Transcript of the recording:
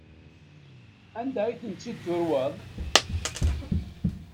Anda ay ten-id-turweḍ?